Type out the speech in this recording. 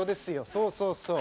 そうそうそう。